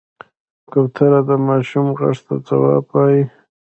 کوتره د ماشوم غږ ته ځواب وايي.